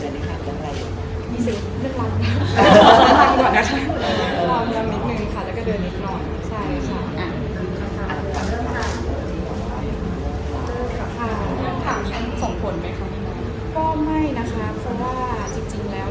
แล้ววันนี้ความพล้อมกับใครของอีก